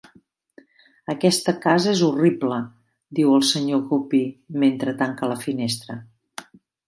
"Aquesta casa és horrible", diu el sr. Guppy mentre tanca la finestra.